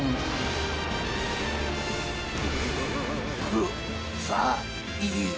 くさい。